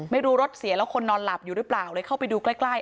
ไม่รู้รถเสียแล้วคนนอนหลับอยู่หรือเปล่าเลยเข้าไปดูใกล้